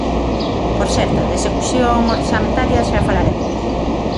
Por certo, de execución orzamentaria xa falaremos.